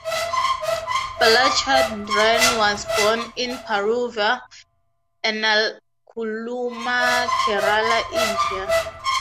Balachandran was born in Paravur, Ernakulam, Kerala, India.